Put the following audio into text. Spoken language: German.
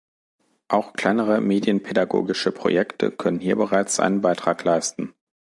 Auch kleinere medienpädagogische Projekte können hier bereits einen Beitrag leisten.